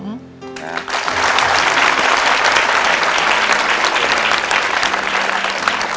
ค่ะ